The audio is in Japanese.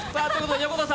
横田さん